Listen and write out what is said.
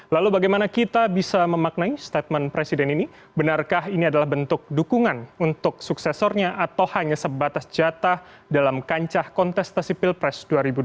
lalu bagaimana kita bisa memaknai statement presiden ini benarkah ini adalah bentuk dukungan untuk suksesornya atau hanya sebatas jatah dalam kancah kontestasi pilpres dua ribu dua puluh